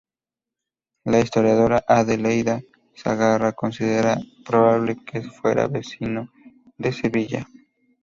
La historiadora Adelaida Sagarra considera probable que fuera vecino de Sevilla.